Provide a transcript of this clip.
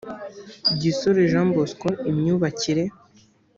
gisore jean bosco imyubakire